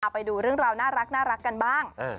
เอาไปดูเรื่องราวน่ารักน่ารักกันบ้าง